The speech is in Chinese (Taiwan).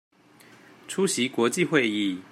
出席國際會議